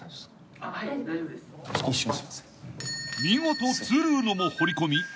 ［見事「ツールーノ」もほりこみ］